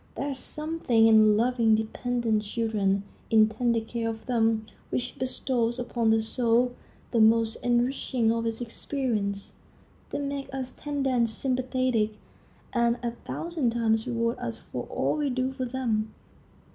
There is something in loving dependent children, in tender care for them, which bestows upon the soul the most enriching of its experience. They make us tender and sympathetic, and a thousand times reward us for all we do for them.